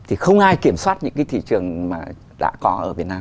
thì không ai kiểm soát những cái thị trường mà đã có ở việt nam